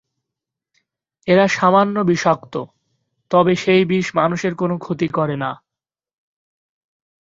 এরা সামান্য বিষাক্ত, তবে সেই বিষ মানুষের কোন ক্ষতি করে না।